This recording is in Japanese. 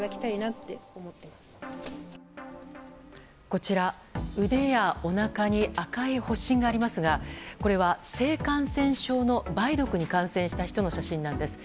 こちら、腕やおなかに赤い発疹がありますがこれは、性感染症の梅毒に感染した人の写真なんです。